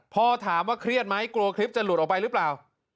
พ่อถามว่าเครียดไหมกลัวคลิปจะหลุดออกไปหรือเปล่า